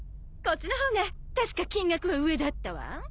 こっちの方が確か金額は上だったわ。